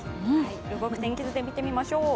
動く天気図で見てみましょう。